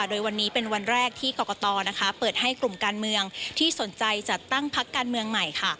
โดยวันนี้เป็นวันแรกที่กรกตนะคะเปิดให้กลุ่มการเมืองที่สนใจจัดตั้งพักการเมืองใหม่ค่ะ